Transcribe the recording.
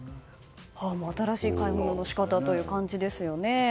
新しい買い物の仕方という感じですよね。